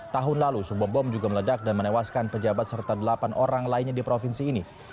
tahun lalu sebuah bom juga meledak dan menewaskan pejabat serta delapan orang lainnya di provinsi ini